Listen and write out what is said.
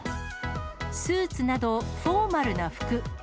スーツなど、フォーマルな服。